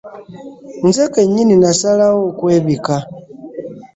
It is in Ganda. Nze kennyini nasalawo okwebika.